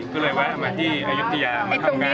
ก็เลยแวะมาที่อายุทยามาทำงาน